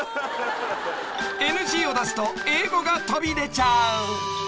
［ＮＧを出すと英語が飛び出ちゃう］